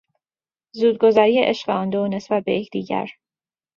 زودگذری عشق آن دو نسبت به یگدیگر